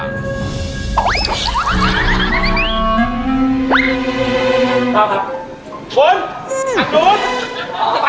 ครับค่ะ